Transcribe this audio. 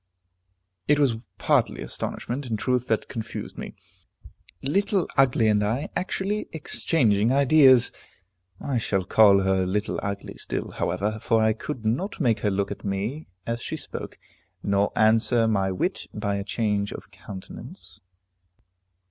It was partly astonishment, in truth, that confused me. Little Ugly and I actually exchanging ideas! I shall call her Little Ugly still, however, for I could not make her look at me as she spoke, nor answer my wit by a change of countenance.